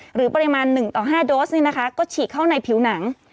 หรือปริมาณ๑ต่อ๕โดสก็ฉีกเข้าในผิวหนัง